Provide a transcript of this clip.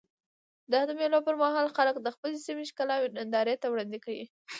د مېلو پر مهال خلک د خپلي سیمي ښکلاوي نندارې ته وړاندي کوي.